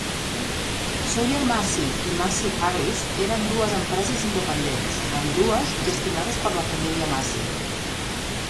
Sawyer-Massey i Massey-Harris eren dues empreses independents, ambdues gestionades per la família Massey.